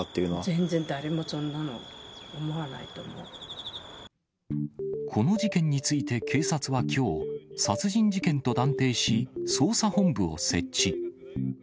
全然、この事件について警察はきょう、殺人事件と断定し、捜査本部を設置。